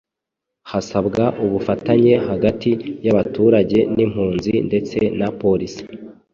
hasabwa ubufatanye hagati y’abaturage n‘impunzi ndetse na polisi,